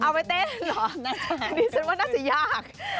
เอาไปเต้นเหรอดิฉันว่าน่าจะยาก